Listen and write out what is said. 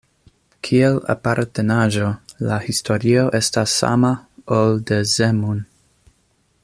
Kiel apartenaĵo, la historio estas sama, ol de Zemun.